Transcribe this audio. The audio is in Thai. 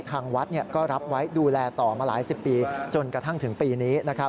ทางวัดก็รับไว้ดูแลต่อมาหลายสิบปีจนกระทั่งถึงปีนี้